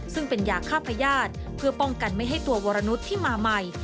ซึ่งเป็นยาฆ่าพญาติเพื่อป้องกันไม่ให้ตัววรนุษย์ที่มาใหม่